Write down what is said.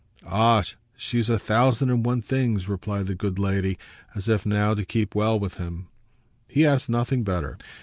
"Ah she's a thousand and one things!" replied the good lady, as if now to keep well with him. He asked nothing better.